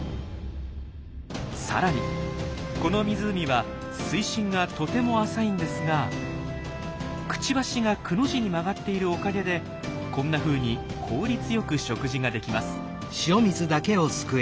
さらにこの湖は水深がとても浅いんですがクチバシがくの字に曲がっているおかげでこんなふうに効率よく食事ができます。